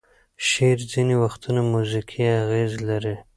شعر ځینې وختونه موزیکي اغیز لري.